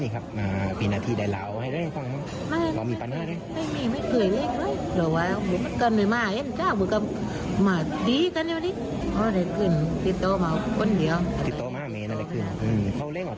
เขาเล่นอะไรตัวล่ะ